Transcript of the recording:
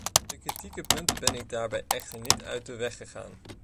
De kritieke punten ben ik daarbij echter niet uit de weg gegaan.